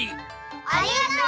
ありがとう！